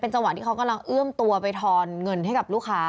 จังหวะที่เขากำลังเอื้อมตัวไปทอนเงินให้กับลูกค้า